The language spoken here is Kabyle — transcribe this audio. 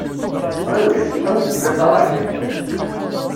Ɣiwlet, awit-d baba ɣer dagi.